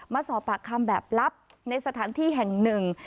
มาสอบปากคำแบบลับในสถานที่แห่งหนึ่ง